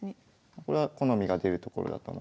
これは好みが出るところだと思います。